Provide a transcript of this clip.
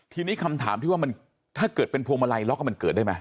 ทีนี้คำถามที่ว่ามันถ้าเกิดเป็นพวงมาลัยล็อกมันเกิดได้ไหม